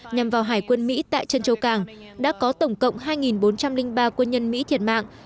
nhằm vào hải quân mỹ tại trân châu càng đã có tổng cộng hai bốn trăm linh ba quân nhân mỹ thiệt mạng